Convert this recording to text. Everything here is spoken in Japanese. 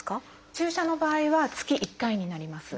注射の場合は月１回になります。